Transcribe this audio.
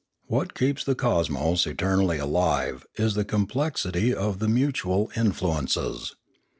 What keeps the cosmos eternally alive is the complexity of the mutual influences.